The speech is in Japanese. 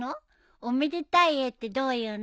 おめでたい絵ってどういうの？